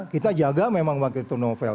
kita jaga memang waktu itu novel